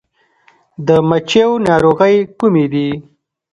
د مچیو ناروغۍ کومې دي؟